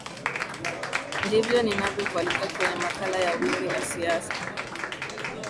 ndivyo ninavyo kualika kwenye makala ya wimbi la siasa